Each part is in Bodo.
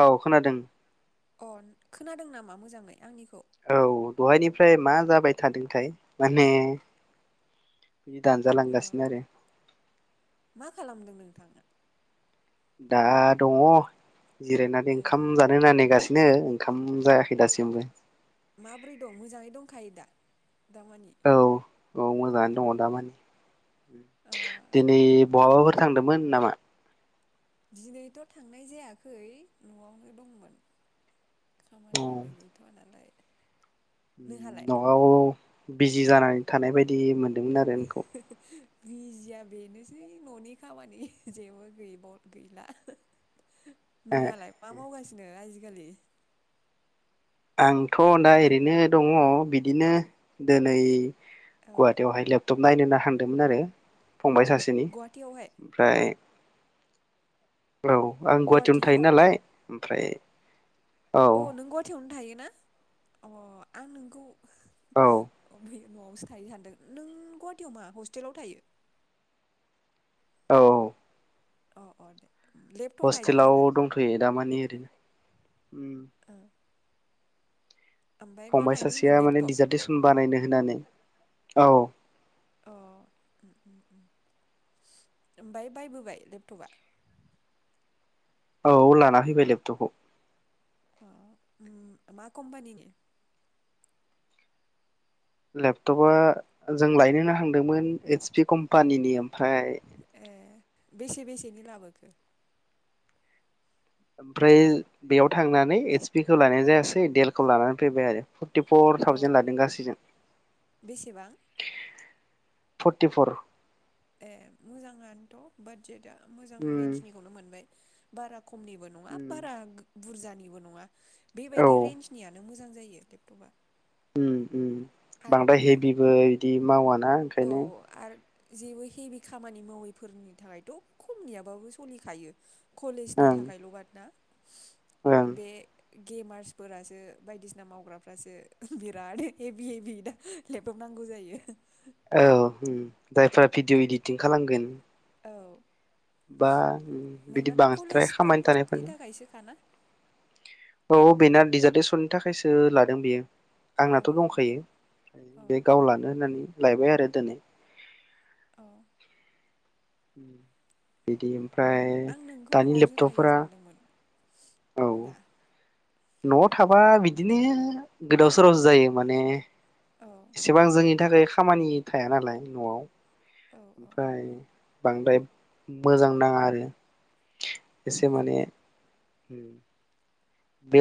औ खोनादों। अ' खोनादों नामा मोजाङै आंनिखौ? औ दहायनिफ्राय मा जाबाय थादोंथाय माने बिदि अ दानजालांगासिनो आरो। मा खालामदों नोंथाङा दा दङ जिरायनानै ए ओंखाम जानो होनना नेगासिनो। बेनो ओंखाम जायाखै दासिमबो। माबोरै दं मोजाङै दंखायो दा? दामानि औ औ अ मोजाङानो दङ दामानि अ दिनै बहाबाफोर थांदोंमोन नामा? दिनैथ' थांनाय जायाखै न'आवनो दंमोन। खामानिबो गैथ'वा नालाय। उम नोंहालाय नंगौ। बिजि जानानै थानाय बायदि मोन दोंमोन आरो नोंखौ। बिजिया बेनोसै न'नि खामानि जेबो गैला। ए नोंङालाय मा मावगासिनो आजि खालि? आंथ' दा ओरैनो दङ बिदिनो दिनै औ गुवाहाटी हैलाब टब नायनो होनना हांदोंमोन आरो फंबाय सासेनि गुवाहाटियावहाय ओमफ्राय औ आं गुवाहाटियावनो थायो गुवाहाटियाव नालाय। ओमफ्राय औ अ' नों गुवाहाटीनो थायो? ना अ' आं नोंखौ औ अ' बै न'आवसो थायो सानदों नों गुवाहाटियाव मा हस्टेलाव थायो। औ अ अ दे लेपटप नायदों हस्टेलाव आरो दंथ'यो दामानि ओरैनो उम ओ ओमफ्राय मा फंबाय नायदों होनदों सासेया माने लेपटप दिडिजार्टेसन बानायनो होननानै औ ओमफाय बायबोबाय लेपटपा औ लाना फैबाय लेपटपखौ उम मा कम्पानिनि लेपटपा जों लायनोनो हांदोंमोन एस पि कम्पानि ओमफाय ए बेसे बेसेनि लाबोखो ओमफ्राय बेयाव थांनानै एस पि खौ लानायानो जायासै देल खौ लानानै फैबाय आरो टिफर अ थावजेन लादों गासैजों बेसेबां फरटिफर ए मोजाङानोथ' बादजेटआ मोजां उम रेन्जनिखौनो मोनबाय बारा खमनिबो नङा उम बारा बुरजानिबो नङा औ बेबायदि रेन्जनियानो मोजां जायो लेपटपा ओम ओम आरो बांद्राय हेभिबो बिदि मावा ना औ ओंखायनो आरो जेबो हेभि खामानि मावैफोरनि थाखायथ' खमनियाबाबो सलिखायो कलेजनि ओं थाखायल' [unintelligible] ओं बे गेमार्सफोरासो बायदिसिना मावग्राफ्रासो बिराद हेभि हेभि दा लेपटप नांगौ जायो औ जायफोरा भिडिअ इडिटिं खालामगोन औ बा बिदि नोंनाथ' कलेज [unintelligible] खामानि पारपसनि थानायफोरनि थाखायसोखाना औ बेना डिजार्टेसननि थाखायसो लादों बेयो औ आंनाथ' दंखायो अ बे अ गाव लानो होननानै लायबाय आरो दिनै औ बेदि ओमफ्राय आं नोंखौ दानि न'आवसो थायो लेपटपफोरा सानदोंमोन औ दा न'आव थाबा बिदिनो गोदाव सोरावसो जायो माने औ एसेबां जोंनि थाखाय खामानि थाया नालाय न'आव औ औ ओमफ्राय बांद्राय मोजां नाङा आरो एसे माने ओम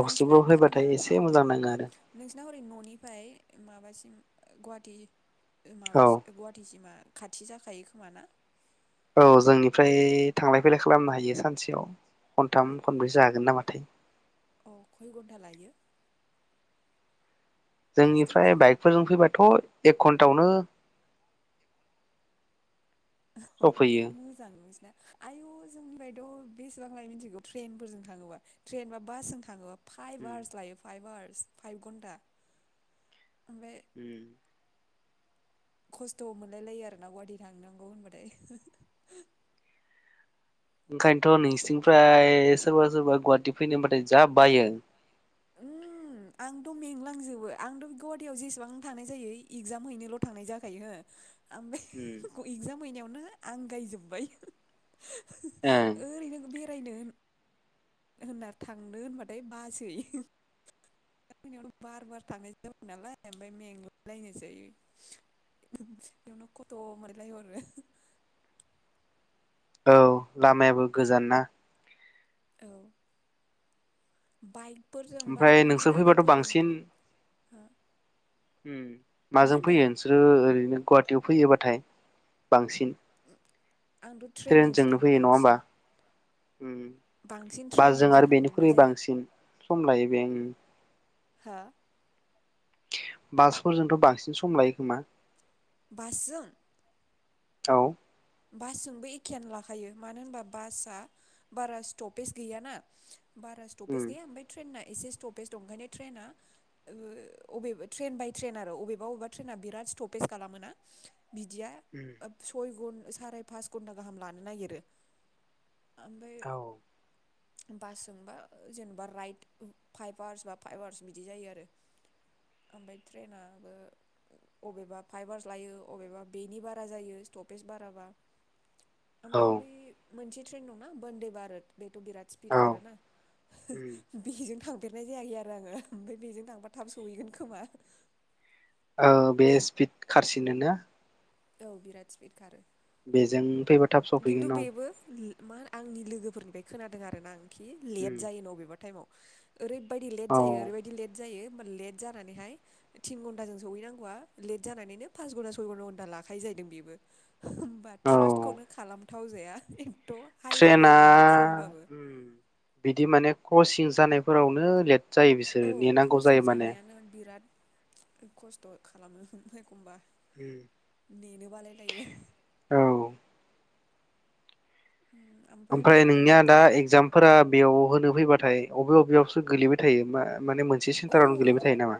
नोंसिना [unintelligible] मा होनो मोजां नाङो आरो नोंसिना हरै न'निफ्राय माबासिम गुवाहाटी औ माबास गुवाहाटिसिमा खाथि जाखायो खोमाना औ जोंनिफ्राय थांलाय फैलाय खालामनो हायो सानसेयाव खनथाम खनब्रैसो हागोन नामाथाय अ खय घन्टा लायो? जोंनिफ्राय डिसटेन्सा बाइकफोरजों फैबा थ' एक घन्टायावनो अ सफैयो ओंखायनो मोजां नोंसिना आयु जों फायथ' बेसेबां लाय मिथिगौ ट्रेनफोरजों थाङोबा ट्रेन बा बासजों थाङोबा फाइभ आवार्स लायो फाइभ आवार्स फाइभ घन्टा ओमफ्राय ओम खस्थ' मोनलाय लायो आरो ना गुवाहाटि थांनांगौ होनबाथाय [unintelligible] ओंखायनोथ' नोंसिनिफ्राय सोरबा सोरबा गुवाहाटि फैनो होनबाथाय जा बायो। ओम आंथ' मेंलांजोबो आंथ' गुवाहाटियाव जेसेबां थानाय जायो इगजाम हैनोल' थानाय जाखायो हो ओमफाय इगजाम हैनायावनो आंगायजोब्बाय ओम फरायनो होनना थांनो होनबाथाय बासै आंनियाव बार बार थांनाय जाबाय नालाय ओमफाय मेंलायलायनोसै बेयावनो खथ' मोनलायहरो औ लामायाबो गोजान ना औ बाइक फोरजों बा ओमफ्राय न'नि नोंसोर फैबाथ' गारिफोरजों हो होम मा माजों होनदों फैयो नोंसोरो ओरैनो गुवाहाटियाव फैयोबाथाय बांसिन आंथ' ट्रेनजोंसो ट्रेनजोंनो थाङो फैयो नङा होमबा बांसिन बांसिन बासजों ट्रेनजोंसो आरो थांनाय बेनिख्रुइ जायो बांसिन समलायो बेहाय हा। बासफोरजोंथ' बांसिन सम लायो खोमा बासजों औ। बासजोंबो एखेयानो लाखायो मानो होनबा बासआ बारा स्टपेज गैयाना बारा स्टपेज उम गैया ओमफ्राय ट्रेन ना एसे स्टपेज दं ओंखायनो ट्रेना अबेबा ट्रेन बाय ट्रेन आरो अबेबा अबेबा ट्रेना बिराद स्टपेज खालामोना बिदिया सयगुन साराय पास घन्टा गाहाम लानो नागिरो ओमफ्राय औ बासजोंबा जेनेबा राइट फाइभ आवार्स बा फाइभ आवार्स बिदि जायो आरो ओमफ्राय ट्रेनाबो अबेबा फाइभ आवार्स लायो अबेबा बेनि बारा जायो स्टपेज बाराबा औ ओफ्राय बे मोनसे ट्रेन दंना बन्दे भारत बेथ बिराद स्पिड औ खारोना उम बेजों थां देरनाय जायाखै आरो आङो ओमफ्राय बेजों थांबा थाब सहैगोन खोमा औ बे स्पिड खारसिनोना औ बिराद स्पिड खारो बेजों। फैबा थाब खिन्थु सफैगोन औ। बेबो ल- मा आंनि लोगोफोरनिफ्राय खोनादों आरोना आं। खि उम लेट जायो अबेबा टाइमाव ओरैबायदि लेट औ जायो ओरैबायदि लेट जायो। लेट जानानैहाय थिन घन्टाजों सहैनांगौआ लेट जानानैनो पास घन्टा सय घन्टा लाखायो जाहैदों बेबो होमबा औ खौनो खालाम। थाव जाया। ट्रेना बिदि माने कचिं जानायफोरावनो लेट जायो बिसोरो औ नेनांगौ क्रसिं जायो माने जानायानो बिराद खस्थ खालामगोन एखमबा नेनो बालाय लायो। औ उम मा ओमफ्राय उम नोंनिया दा एगजामफोरा बेयाव होनो फैबा थाय बबे बबेयावसो गोलैबाय थायो मा माने मोनसे औ सेन्टारावनो गोलैबाय थायो नामा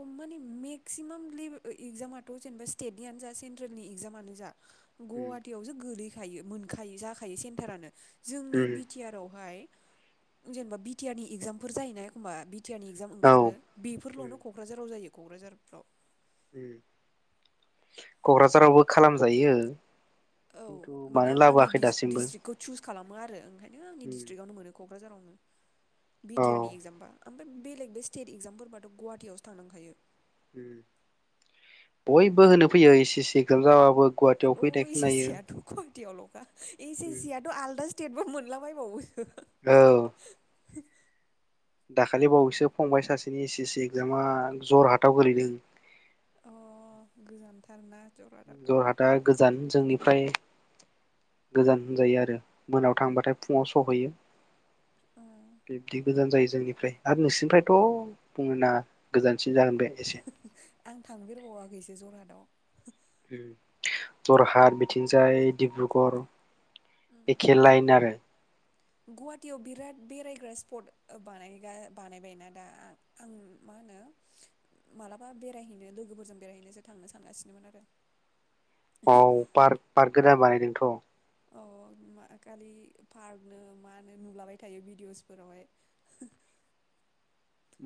उम माने मेक्सिमाम लेबे इगजामाथ जेनेबा स्टेटनियानो जा सेन्ट्रेलनि इगजामानो जा गुवाहाटियावसो गोलैयो थायो मोनखायो जाखायो सेन्टारानो जोंनि बि उम टि आर आवहाय जेनेबा बि टि आर नि एगजामफोर जायोना एखमा बि टिया नि इगजाम औ ओंखारो बेफोरलनो कक्राझाराव जायो कक्राझारफोराव कक्राझारावबो खालामजायो औ खिन्थु माने मानो आं आंनि लाबोआखै दि दासिमबो डिस्ट्रिक्टखौ चुस खालामो आरो ओंखायनो आंनि डिस्ट्रिक्टआवनो मोनाखै कक्राझारावनो बि औ टि आरनि इगजामबा ओमफ्राय बेलेग बे स्टेट इगजामफोरबाथ' गुवाहाटियावसो थांनांखायो ओम बयबो होनो फैयो एस सि सि इक्जाम जाबाबो गुवाहाटियाव फैनाय खोनायो [unintelligible] एस सि सि आथ आलदासो टेटबो मोनलाबायबावो औ दाखालि बावैसो फंबाय सासेनि एस सि सि एगजामा जरहाटाव गोलैदों अ गोजानथारना जरहाटाथ' जरहाटा गोजान जोंनि फ्राय गोजान होनजायो आरो मोनायाव थांबाथाय फुङाव सहैयो अ बिबदि गोजान जायो जोंनिफ्राय आरो नोंसिनिफ्रायथ' बुंनो नाङा गोजान सिन जागोन बे एसे आं थांफेरबावाखैसो जरहाटाव जरहाट बिथिंजाय डिब्रुगर उम एखे लाइन आरो गुवाहाटियाव बिराद बेरायग्रा स्पट बानायग्रा बानायबायना दा आं मा होनो मालाबा बेरायहैनो लोगोफोरजों बेरायहैनोसो थांनो सानगासिनोमोन आरो औ पार्क पार्क गोदान बानायदोंथ' औ अ मा खालि पार्कनो मा नो नुलाबाय थायो भिडिअ'सफोरावहाय।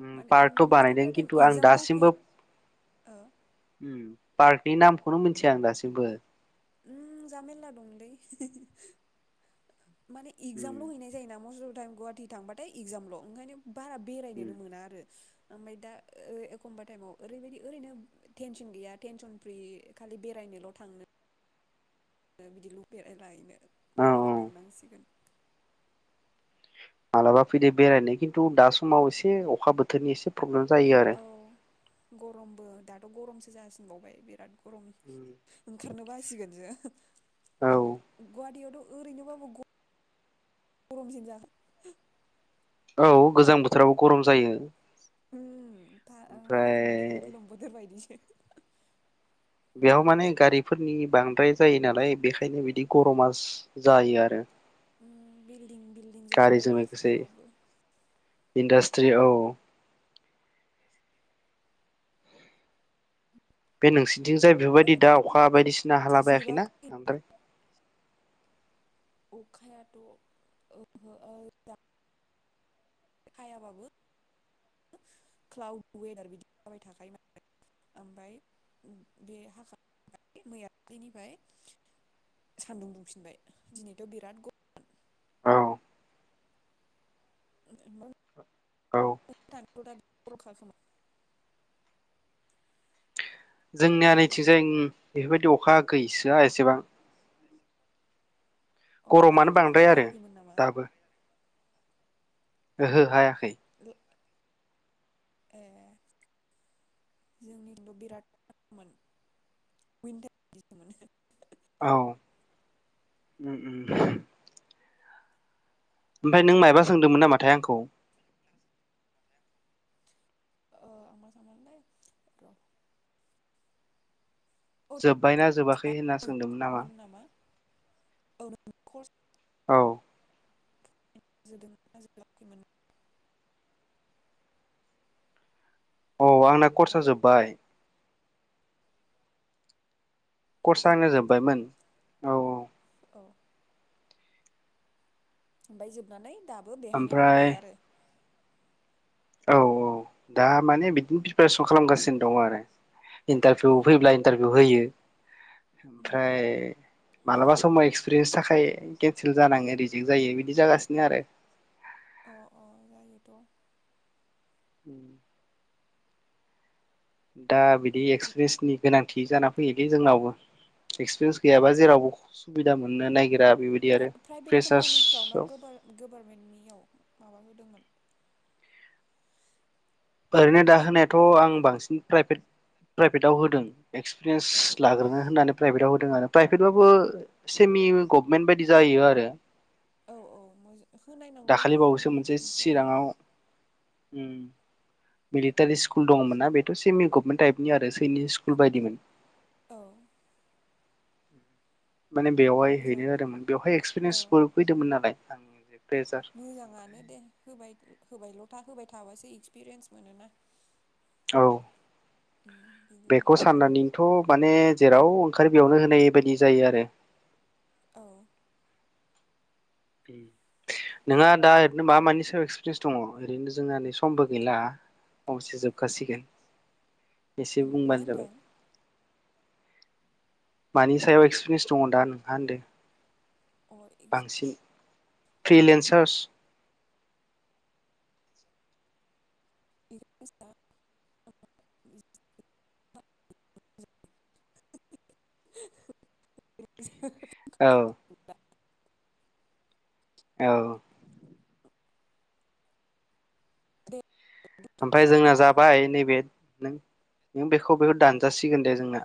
ओम माने पार्कथ' मस्ट अफ बानायदों दा टाइम खिन्थु आं इगजामल' है दासिमबो ओ उम पार्क बे नामखौनो मिथिया आं दासिमबो। उम जा मेरला दंलै [unintelligible] माने उम इक्जामल' हैनाय जायो ना मस टाइम गुवाहाटि थांबाथाय इक्जाम ल ओंखायनो बारा उम बेरायनोनो मोना आरो। ओमाय दा ओ एखमबा टाइमाव ओरैबायदि ओरैनो टेनसन गैया टेनसन फ्रि खालि बेरायनोल' थांनो ओ बिदिल बेरायला हैनो। औ मालाबा औ थांनांसिगोन। मालाबा फैदो बेरायनो खिन्थु दा समाव एसे अखा बोथोरनि एसे प्रब्लेम जायो आरो औ गरमबो दा गरमसो जासिनबावबाय बिराद गर ओंखारनो बासिगोन सो। औ गवाहाथियाव थ ओरैनोबाबो गरमसिन जागोन। औ गोजां बोथोरावबो गरम जायो। उम था एकदम ओमफ्राय। गोलोम बोथोर बायदिसो बेयाव माने गारिफोरनि बांद्राय जायो नालाय बेखायनो बिदि गरमास जायो आरो। बिल्डिं बिल्डिं गारिजों जाजोब्बायना जेरावबो। त्रियाव औ। बे नोंसिनिथिं जाय औ बेफोरबायदि दा नोंना अखा बायदिसिना क्लासा हाला बायाखैना जोबाखै बांद्राय। अखायाथ' ओ -ओ- दा। हायाबाबो क्लाउड वेदार बिदि जाबाय थायो माने ओमफ्राय बे हाख मैयानिफ्राय सानदुं दुंफिनबाय दिनैथ' बिराद गरममोन। औ [unintelligible] औ [unintelligible] जोंनिया नैथिंजाय उम। बेफोरबायदि अखा गैसोआ एसेबां। अ गरमानो बांद्राय दाखालिफोरबो आरो हायाखैमोन नामा? दाबो ओहो हाया खौ। ए जोंनिथिं' बिराद गरममोन बिनिथाखाय उइटारदिस मोनो। औ उम उम। ओमफ्राय नों मायबा सोंदोंमोन नामाथाय आंखौ? ओ आं साननायमोनथाय र औ जोब्बायना जोबाखै होनना सोंदोंमोन नामा। औ। औ। जोबाखैना जोबाखैमोन। औ आंना खरस औ आ जोब्बाय। खरस औ आ आंना जोबबायमोन। औ औ अ ओमफाय जोबनानै। दाबो बेहायनो ओमफ्राय दंथ'यो आरो। औ औ दा माने बिदिनो प्रिपेरेसन खालामगासिनो दं आरो। इन्टारभिउ औ फैब्ला इन्टारभिउ होयो। उम ओमफ्राय। मालाबा समाव एक्सपिरियेन्स थाखाय केन्सेल जानाङो रिजेक्ट जायो बिदि जागासिनो आरो। थ' उम दा बि एक्सप्रिरेनसनि गोनां थि जाना फैयो बे जोंनावबो एक्सपिरियेन्स गैयाबा जेरावबो सुबिदा मोननो नागिरा। बेबायदि आरो प्रा-प्राइभेट कम्पानिफ्राव ना फ्रेसार्सआव ग-गभारमेन्टनियाव माबा होदोंमोन ओरैनो दा होनाया थ' आं बांसिन प्राइभेट प्राइभेटाव होदों। एक्सपिरियेन्स औ औ लाग्रो होननानै प्राइभेटाव होदों आरो। प्राइभेटबाबो सेमि गभमेन्ट बायदि जायो आरो औ औ मोज होनायनांगौ दाखालि उम बावैसो मोनसे बिदियावनो चिराङाव ओम मिलि थारि स्कल दङमोनना उम बेथ' सेमि गभमेन्टाइप नि आरो सैनिक स्कुल बायदिमोन। औ माने बेवहाय मोजां हैनाय जादोंमोन बेवहाय औ एक्सपिरियेन्सफोर फैदोंमोन नालाय आं प्रेसार मोजाङानो दे होबाय होबायल' था होबाय थाबासो एक्सपिरियेन्स मोनोना। औ उम बिदिनो बेखौ होबाय थानांगौ साननानैनोथ' माने जेराव ओंखारो बेयावनो होनाय बायदि जायो आरो। औ नोंहा दा ओरैनो मा मानि सायाव एक्सपिरियेन्स दङ ओरैनो जोंहा नै समबो गैला फंसेजों जोबखासिगोन। एसे उम मा बुंबानो होनदों जाबाय मानि सायाव एक्सपिरियेन्स दङ दा नोंहा होनदों। अ बांसिन फ्रिलेन्सार्स [unintelligible] [inaudible] औ‌। औ। ओमफ्राय जोंना जाबाय नैबे नों नों बेखौबो दानजासिगोन दे जोंना।